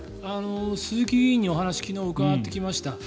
鈴木議員にお話を昨日、伺ってきました。